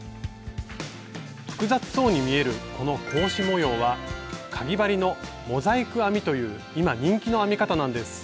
複雑そうに見えるこの格子模様はかぎ針の「モザイク編み」という今人気の編み方なんです。